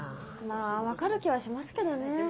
まあ分かる気はしますけどね。